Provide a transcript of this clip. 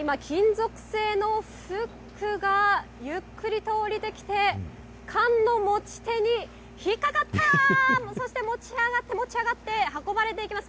今、金属製のフックがゆっくりと下りてきて、缶の持ち手に引っ掛かった、そして持ち上がって、持ち上がって、運ばれていきます。